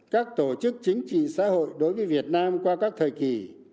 các tổ chức chính trị xã hội đối với việt nam qua các thời kỳ